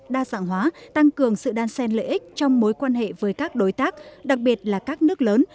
đa dạng hóa tăng cường sự đan xen lợi ích trong mối quan hệ với các đối tác đặc biệt là các nước lớn